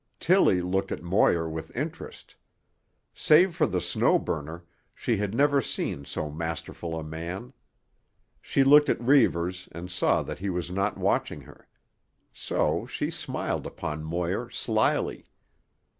Tillie looked at Moir with interest. Save for the Snow Burner, she had never seen so masterful a man. She looked at Reivers and saw that he was not watching her. So she smiled upon Moir slyly.